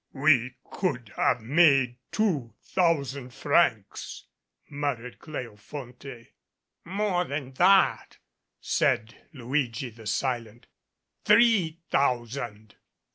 "We could have made two thousand francs," mut tered Cleofonte. "More than that," said Luigi the silent, "three thou sand."